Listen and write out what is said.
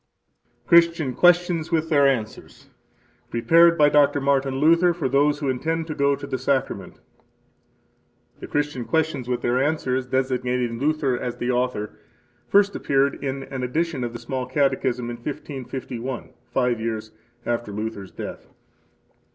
Christian Questions and their Answers Prepared by Dr. Martin Luther for those who intend to go to the Sacrament [The "Christian Questions with Their Answers," designating Luther as the author, first appeared in an edition of the Small Catechism in 1551, five years after Luther's death].